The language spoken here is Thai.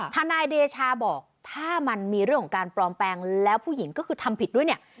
ทนายเดชาบอกถ้ามันมีเรื่องของการปลอมแปลงแล้วผู้หญิงก็คือทำผิดด้วยเนี่ย